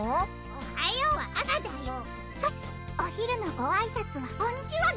お昼のご挨拶はこんにちはね。